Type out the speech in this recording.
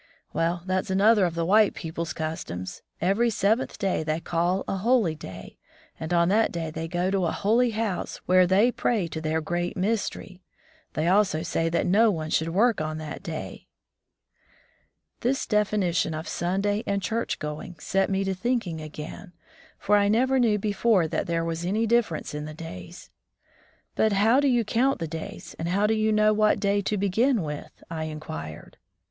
"Well, that's another of the white people's customs. Every seventh day they call a *holy day', and on that day they go to a *Holy House', where they pray to their Great Mystery. They also say that no one should work on that day." This definition of Sunday and church going set me to thinking again, for I never knew before that there was any difference in the days. "But how do you count the days, and how do you know what day to begin with?" I inquired.